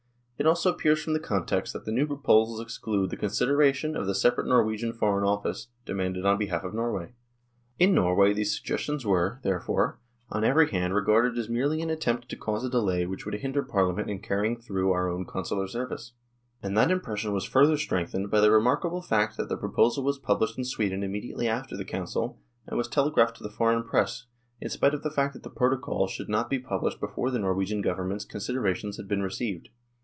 It also ap pears from the context that the new proposals ex clude the consideration of the separate Norwegian Foreign Office, demanded on behalf of Norway. In Norway these suggestions were, therefore, on every hand regarded as merely an attempt to cause a delay which would hinder Parliament in carrying through our own Consular service. And that impression was further strengthened by the remarkable fact that the proposal was published in Sweden immediately after the Council, and was telegraphed to the foreign Press, in spite of the fact that the Protocol should not be published before the Norwegian Government's con siderations had been received.